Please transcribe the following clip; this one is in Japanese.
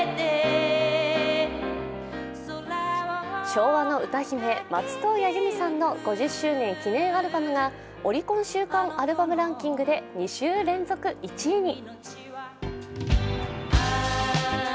昭和の歌姫・松任谷由実さんの５０周年記念アルバムがオリコン週間アルバムランキングで２週連続１位に。